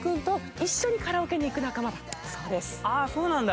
ああそうなんだ。